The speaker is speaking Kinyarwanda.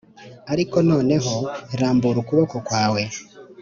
Ariko noneho rambura ukuboko kwawe